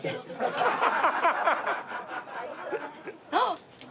あっ！